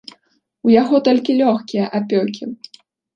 У яго толькі лёгкія апёкі.